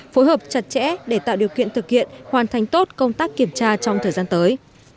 phối hợp chặt chẽ để tạo điều kiện thực hiện hoàn thành tốt công tác kiểm tra trong thời gian tới